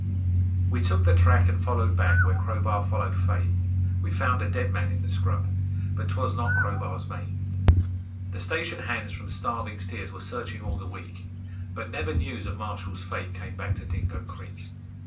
We took the track and followed back where Crowbar followed fate, We found a dead man in the scrub but 'twas not Crowbar's mate. The station hands from Starving Steers were searching all the week But never news of Marshall's fate came back to Dingo Creek.